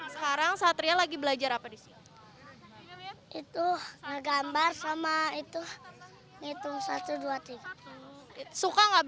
sebenarnya pada baik